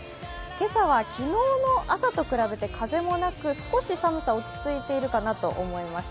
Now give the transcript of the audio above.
今朝は昨日の朝と比べて風もなく、少し寒さ、落ち着いているかなと思います。